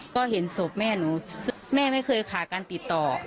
ก็เห็นศพแม่หนูแม่ไม่เคยขาดการติดต่อ